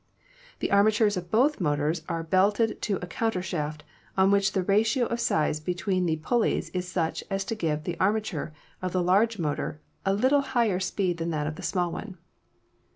The armatures of both motors are belted to a countershaft on which the ratio of size between the pul leys is such as to give the armature of the large motor a little higher speed than that of the small one.